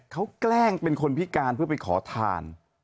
เขาแกล้งเป็นคนพิการเพื่อไปขอทาน